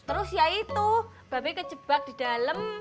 terus ya itu bape kejebak di dalam